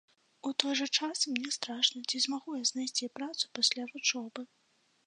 У той жа час мне страшна, ці змагу я знайсці працу пасля вучобы.